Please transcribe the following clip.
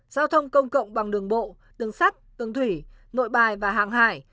giao thông công cộng bằng đường bộ đường sắt đường thủy nội bài và hàng hải